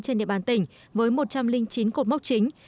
trên địa bàn tỉnh với một trăm linh chín cột mốc chính